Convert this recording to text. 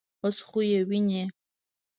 _اوس خو يې وينې.